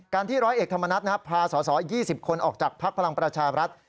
ที่ร้อยเอกธรรมนัฐพาสอสอ๒๐คนออกจากพักพลังประชาบรัฐ